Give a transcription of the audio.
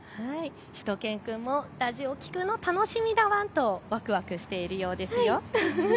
しゅと犬くんもラジオを聞くの楽しみだワン！とわくわくしているようですよ。